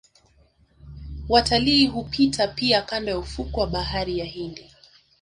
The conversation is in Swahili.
Watalii hupita pia kando ya ufukwe wa bahari ya Hindi